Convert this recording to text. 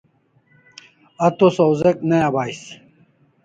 A to sawzek ne abais